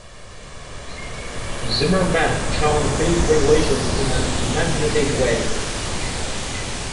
Zimmermann challenged these regulations in an imaginative way.